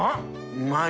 うまい。